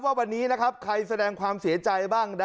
และก็มีการกินยาละลายริ่มเลือดแล้วก็ยาละลายขายมันมาเลยตลอดครับ